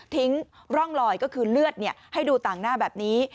ร่องรอยก็คือเลือดให้ดูต่างหน้าแบบนี้